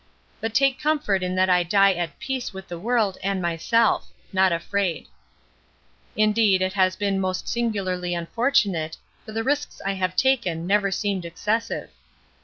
But take comfort in that I die at peace with the world and myself not afraid. Indeed it has been most singularly unfortunate, for the risks I have taken never seemed excessive.